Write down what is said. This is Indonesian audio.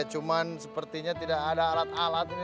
cuman sepertinya tidak ada alat alat ini teh